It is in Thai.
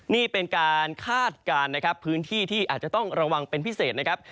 นี่เป็นการคาดการณ์นะครับพื้นที่ที่อาจจะต้องระวังเป็นพิเศษนะครับ